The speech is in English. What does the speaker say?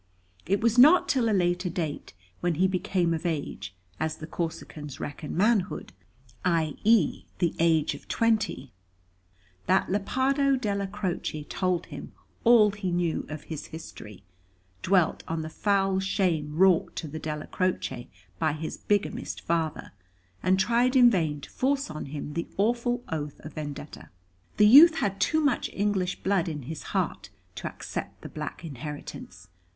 It was not till a later date, when he became of age as the Corsicans reckon manhood[#] that Lepardo Della Croce told him all he knew of his history, dwelt on the foul shame wrought to the Della Croce by his bigamist father, and tried in vain to force on him the awful oath of Vendetta. The youth had too much English blood in his heart to accept the black inheritance.